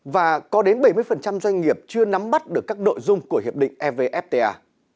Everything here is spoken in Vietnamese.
và có đến bảy mươi doanh nghiệp chưa nắm bắt được các đội dung của hiệp định fvfta